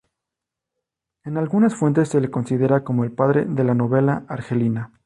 En algunas fuentes se le considera como el padre de la novela argelina.